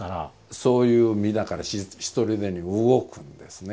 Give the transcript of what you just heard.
そういう身だからひとりでに動くんですね。